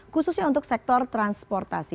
khususnya untuk sektor transportasi